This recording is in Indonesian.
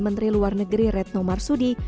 menteri luar negeri retno marsudi